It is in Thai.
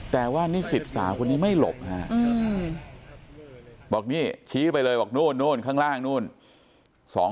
แต่ว่านิสิตสาวคนนี้ไม่หลบฮะบอกนี่ชี้ไปเลยบอกนู่นข้างล่างนู่น